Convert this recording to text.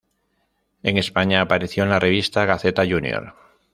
En España, apareció en la revista "Gaceta Junior".